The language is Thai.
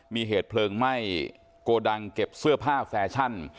มีเหตุเพลิงไหม้โกดังเก็บเสื้อผ้าแฟชั่น